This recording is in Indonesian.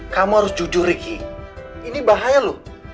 kamu harus jujur ricky ini bahaya loh